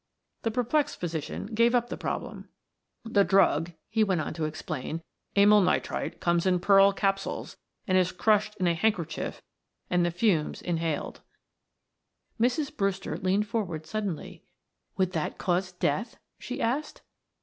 The perplexed physician gave up the problem. "The drug," he went on to explain, "amyl nitrite comes in pearl capsules and is crushed in a handkerchief and the fumes inhaled." Mrs. Brewster leaned forward suddenly. "Would that cause death?" she asked.